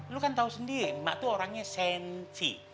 lu kan tahu sendiri mak tuh orangnya sensi